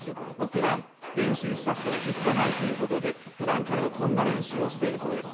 ふだん、練習したくて落ち着かないということで、こういう練習をしているそうです。